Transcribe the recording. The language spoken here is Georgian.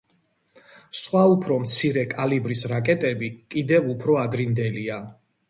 სხვა უფრო მცირე კალიბრის რაკეტები კიდევ უფრო ადრინდელია.